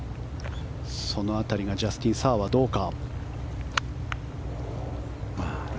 その辺りがジャスティン・サーはどうか。